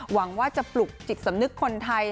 หวังว่าจะปลุกจิตสำนึกคนไทย